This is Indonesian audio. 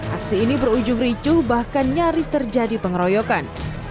aksi ini berujung ricuh bahkan nyaris terjadi pengeroyokan